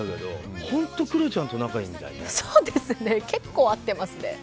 結構会ってますね。